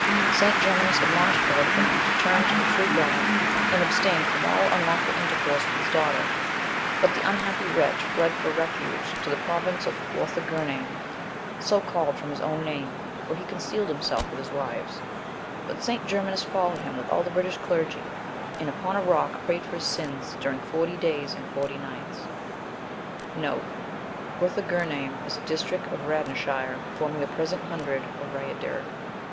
47. St. Germanus admonished Vortigern to turn to the true God, and abstain from all unlawful intercourse with his daughter; but the unhappy wretch fled for refuge to the province Guorthegirnaim,* so called from his own name, where he concealed himself with his wives: but St. Germanus followed him with all the British clergy, and upon a rock prayed for his sins during forty days and forty nights. * A district of Radnorshire, forming the present hundred of Rhaiadr.